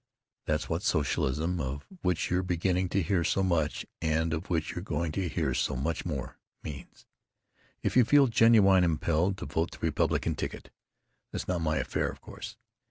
"That's what socialism—of which you're beginning to hear so much, and of which you're going to hear so much more—means. If you feel genuinely impelled to vote the Republican ticket, that's not my affair, of course.